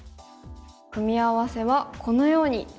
組み合わせはこのようになりました。